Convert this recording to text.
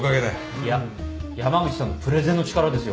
いや山口さんのプレゼンの力ですよ。